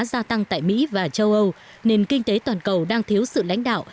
gia tăng tại mỹ và châu âu nền kinh tế toàn cầu đang thiếu sự lãnh đạo